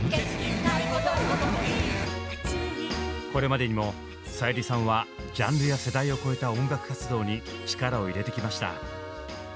これまでにもさゆりさんはジャンルや世代を超えた音楽活動に力を入れてきました。